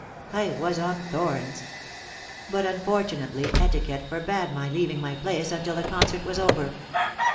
I was on thorns; but, unfortunately, etiquette forbade my leaving my place until the concert was over.